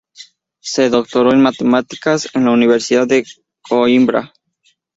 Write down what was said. Se doctoró en Matemáticas en la universidad de Coímbra.